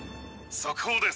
速報です。